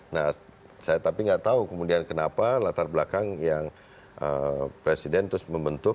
nah saya tapi nggak tahu kemudian kenapa latar belakang yang presiden terus membentuk